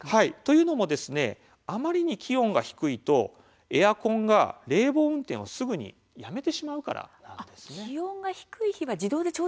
あまりに気温が低いとエアコンが冷房運転をすぐにやめてしまうからなんです。